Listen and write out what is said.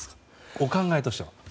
お考えとしては。